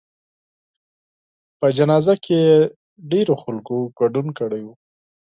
په جنازه کې یې ډېرو خلکو ګډون کړی و.